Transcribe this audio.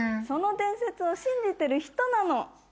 その伝説を信じてる人なの。